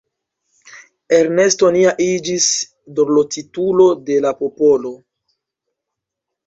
Ernesto nia iĝis dorlotitulo de la popolo.